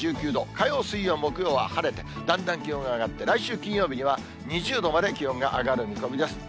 火曜、水曜、木曜は晴れて、だんだん気温が上がって、来週金曜日には２０度まで気温が上がる見込みです。